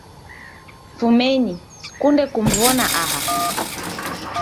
Fumenyi, sikunde kumw'ona aha